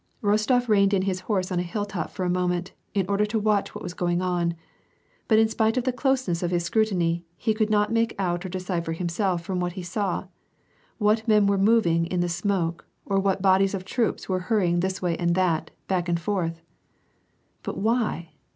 Rostof reined in his horse on a hilltop for a moment, in order to watch what was going on ; but in spite of the closeness of his scrutiny, he could not make out or decide for himself from what he saw : what men were moving in the smoke, or what bodies of the troops were hurrying this way and that, back and forth. " But why